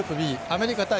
アメリカ対